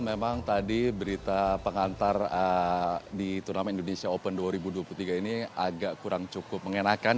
memang tadi berita pengantar di turnamen indonesia open dua ribu dua puluh tiga ini agak kurang cukup mengenakan